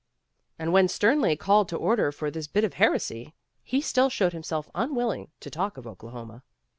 And when sternly called to order for this bit of heresy, he still showed himself unwilling to talk of Oklahoma.